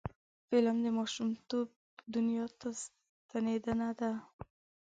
فلم د ماشومتوب دنیا ته ستنیدنه ده